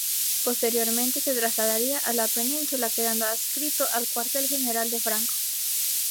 Posteriormente se trasladaría a la península, quedando adscrito al cuartel general de Franco.